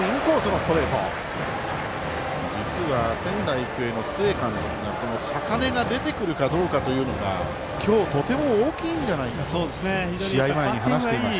実は、仙台育英の須江監督がこの坂根が出てくるかどうかが今日とても大きいんじゃないかと試合前に話していました。